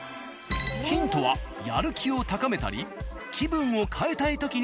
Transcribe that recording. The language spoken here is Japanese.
ヒントはやる気を高めたり気分を変えたい時にする事。